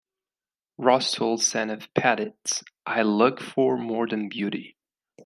Rolston said of Patitz: I look for more than beauty.